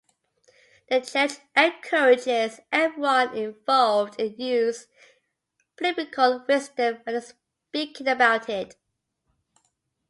The church encourages everyone involved to use biblical wisdom when speaking about it.